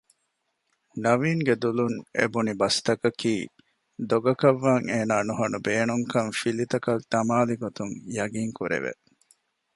ނަޥީންގެ ދުލުން އެބުނިބަސްތަކަކީ ދޮގަކަށްވާން އޭނާ ނުހަނު ބޭނުންކަން ފިލިތަކަށް ދަމާލިގޮތުން ޔަގީންކުރެވެ